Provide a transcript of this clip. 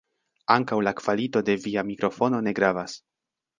Ankaŭ la kvalito de via mikrofono ne gravas.